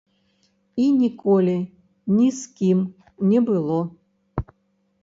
І ніколі ні з кім не было.